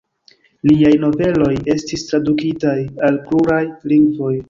Liaj noveloj estis tradukitaj al pluraj lingvoj.